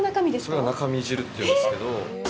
それを「中身汁」っていうんですけど。